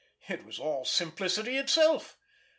It was all simplicity itself!